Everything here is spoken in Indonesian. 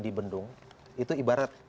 di bendung itu ibarat